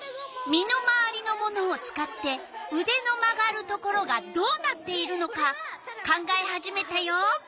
身の回りのものを使ってうでの曲がるところがどうなっているのか考え始めたよ。